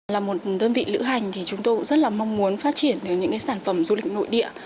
là một đơn vị lữ hành chúng tôi rất mong muốn phát triển những sản phẩm du lịch nội địa